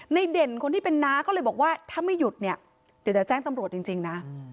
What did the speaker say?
เด่นคนที่เป็นน้าก็เลยบอกว่าถ้าไม่หยุดเนี่ยเดี๋ยวจะแจ้งตำรวจจริงนะ